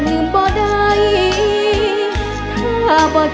ภูมิสุภาพยาบาลภูมิสุภาพยาบาล